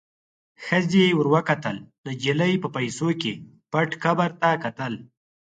ښخې ور وکتل، نجلۍ په پیسو کې پټ قبر ته کتل.